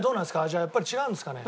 味はやっぱり違うんですかね？